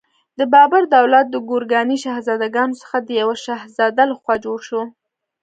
د بابر دولت د ګورکاني شهزادګانو څخه د یوه شهزاده لخوا جوړ شو.